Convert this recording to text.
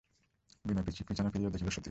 বিনয় পিছন ফিরিয়া দেখিল, সতীশ।